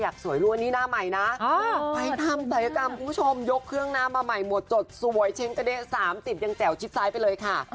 คุณผู้ชมยกเครื่องน้ำมาใหม่หมดจดสวยเฉ็นก็ได้๓๐ยังแจ๋วชิปไซด์ไปเลยค่ะ